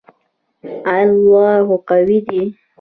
آیا الله قوی دی؟